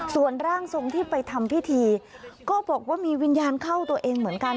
ส่วนร่างทรงที่ไปทำพิธีก็บอกว่ามีวิญญาณเข้าตัวเองเหมือนกัน